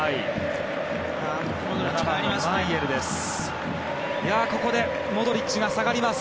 ７番のマイェルです。